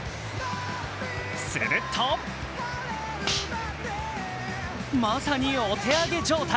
すると、まさにお手上げ状態。